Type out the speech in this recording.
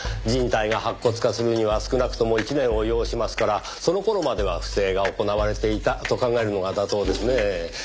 人体が白骨化するには少なくとも１年を要しますからその頃までは不正が行われていたと考えるのが妥当ですねぇ。